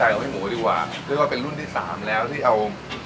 อ่าเคยไปทำงานมาตอนนี้เรามีประสบการณ์สองอย่าง